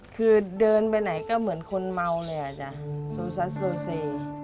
คือเดินไปไหนก็เหมือนคนเมาเลยอ่ะจ๊ะโซซัสโซเซ